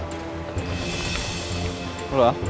terima kasih pak